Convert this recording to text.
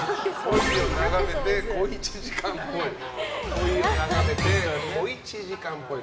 鯉を眺めて小一時間っぽい。